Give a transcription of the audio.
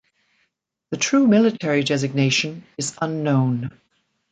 The true military designation is unknown.